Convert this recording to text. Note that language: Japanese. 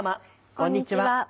こんにちは。